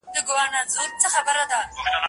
تاسو باید د مقالي جوړښت ته پام وکړئ.